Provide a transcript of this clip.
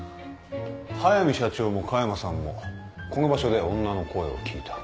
早見社長も加山さんもこの場所で女の声を聞いた。